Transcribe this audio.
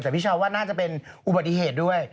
แต่พี่ชาวว่าน่าจะเป็นอุบัติเหตุด้วย